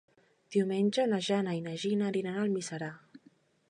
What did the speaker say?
Diumenge na Jana i na Gina aniran a Almiserà.